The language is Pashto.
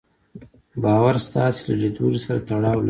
باور ستاسې له ليدلوري سره تړاو لري.